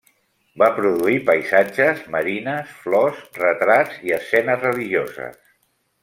Va produir paisatges, marines, flors, retrats i escenes religioses.